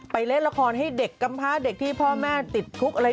เล่นละครให้เด็กกำพาเด็กที่พ่อแม่ติดคุกอะไร